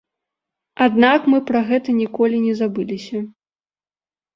Аднак, мы пра гэта ніколі не забыліся.